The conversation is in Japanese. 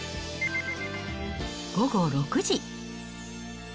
午後６時。